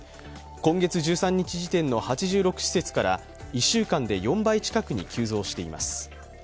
今月１３日時点の８６施設から１週間で４倍近くに急増しています。